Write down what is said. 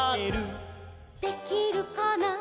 「できるかな」